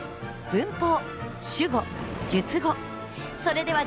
文法？